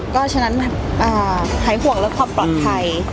ก็ฉะนั้นหายห่วงเรื่องความปลอดภัย